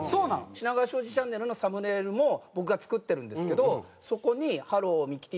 品川庄司チャンネルのサムネイルも僕が作ってるんですけどそこに「ハロー！ミキティ」